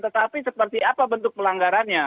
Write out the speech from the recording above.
tetapi seperti apa bentuk pelanggarannya